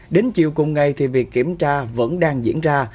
đến chiều cùng ngày thì việc kiểm tra vẫn đang diễn ra